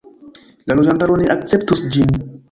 La loĝantaro ne akceptus ĝin.